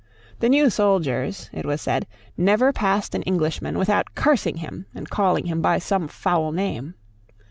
The new soldiers, it was said, never passed an Englishman without cursing him and calling him by some foul name.